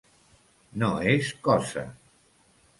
No és cosa.